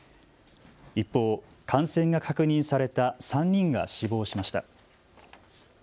一方、感染が確認された３人が死亡しました。